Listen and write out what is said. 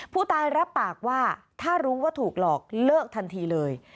ผู้ตายรับปากว่าถ้ารู้ว่าถูกหลอกเลิกทันทีเลย